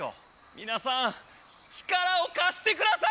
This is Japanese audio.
みなさん力をかしてください！